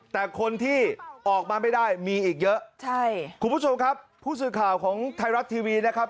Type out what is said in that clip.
แต่คนที่ออกมาไม่ได้มีอีกเยอะใช่คุณผู้ชมครับผู้สื่อข่าวของไทยรัฐทีวีนะครับ